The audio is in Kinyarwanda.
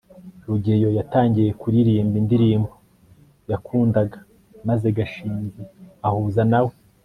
rugeyo yatangiye kuririmba indirimbo yakundaga maze gashinzi ahuza na we